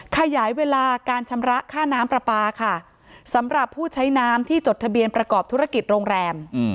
ขยายเวลาการชำระค่าน้ำปลาปลาค่ะสำหรับผู้ใช้น้ำที่จดทะเบียนประกอบธุรกิจโรงแรม